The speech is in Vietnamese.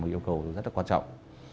yêu cầu rất là quan trọng